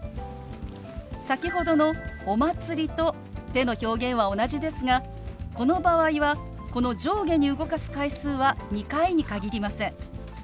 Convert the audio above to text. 先ほどの「お祭り」と手の表現は同じですがこの場合はこの上下に動かす回数は２回に限りません。